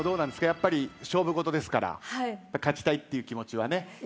やっぱり勝負事ですから勝ちたいっていう気持ちはね。